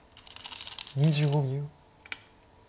２５秒。